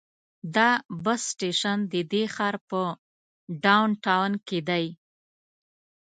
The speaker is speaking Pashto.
دا بس سټیشن د دې ښار په ډاون ټاون کې دی.